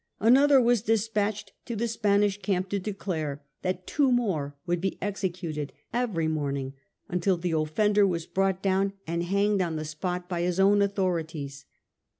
Another was despatched to the Spanish camp to declare that two more would be executed every morning until the offender was brought down and hanged on the spot by his own authorities.